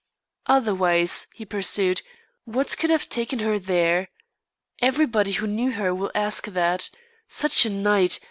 "Otherwise," he pursued, "what could have taken her there? Everybody who knew her will ask that. Such a night!